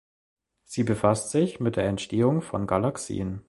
Sie befasst sich mit der Entstehung von Galaxien.